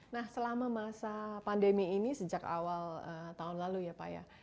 nah selama masa pandemi ini sejak awal tahun lalu ya pak ya